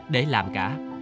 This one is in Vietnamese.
để làm cả